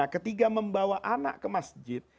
ketika membawa anak ke masjid